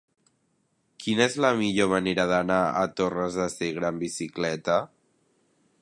Quina és la millor manera d'anar a Torres de Segre amb bicicleta?